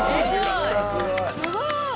すごい！